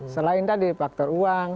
selain tadi faktor uang